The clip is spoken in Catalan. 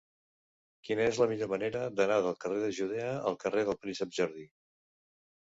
Quina és la millor manera d'anar del carrer de Judea al carrer del Príncep Jordi?